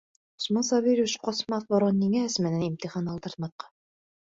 Усман Сабирович ҡасмаҫ борон ниңә Әсмәнән имтихан алдыртмаҫҡа?